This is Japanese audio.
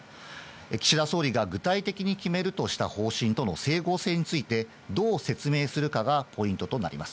岸田総理が具体的に決めるとした方針との整合性について、どう説明するかがポイントとなります。